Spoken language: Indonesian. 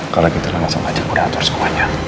kalo gitu langsung aja aku atur semuanya